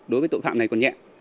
đối với tội phạm này còn nhẹ